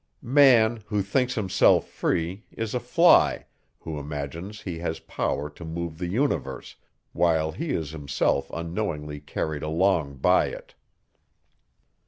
Man, who thinks himself free, is a fly, who imagines he has power to move the universe, while he is himself unknowingly carried along by it.